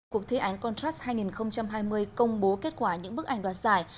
cuộc thi án contrast hai nghìn hai mươi công bố kết quả những bức ảnh đoạt giải